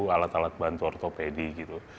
alat alat bantu ortopedi gitu